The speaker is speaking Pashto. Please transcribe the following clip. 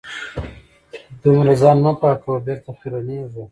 دومره ځان مه پاکوه .بېرته خیرنېږې